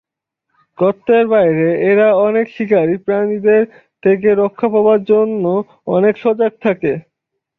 গর্তের বাইরে এরা অনেক শিকারী প্রাণীদের থেকে রক্ষা পাবার জন্য অনেক সজাগ থাকে।